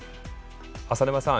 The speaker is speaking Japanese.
浅沼さん